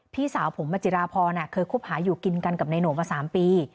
พี่สาวผมมาจิราพรน่ะเคยคบหาอยู่กินกันกับในโน๊กมาสามปี